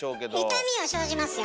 痛みは生じますよ。